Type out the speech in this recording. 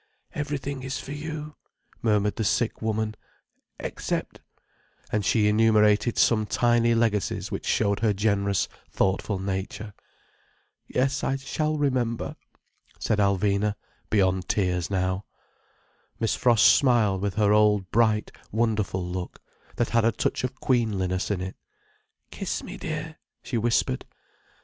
"Everything is for you," murmured the sick woman—"except—" and she enumerated some tiny legacies which showed her generous, thoughtful nature. "Yes, I shall remember," said Alvina, beyond tears now. Miss Frost smiled with her old bright, wonderful look, that had a touch of queenliness in it. "Kiss me, dear," she whispered.